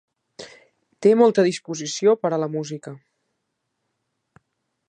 Té molta disposició per a la música.